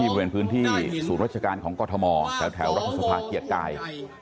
บริเวณพื้นที่ศูนย์ราชการของกรทมแถวรัฐสภาเกียรติกาย